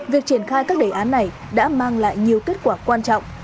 việc triển khai các đề án này đã mang lại nhiều kết quả quan trọng